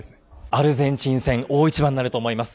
アルゼンチン戦大一番になると思います。